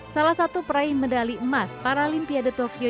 salah satu peraih medali emas paralimpiade tokyo